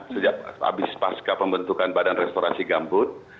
sejak habis pasca pembentukan badan restorasi gambut